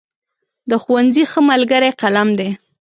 د ښوونځي ښه ملګری قلم دی.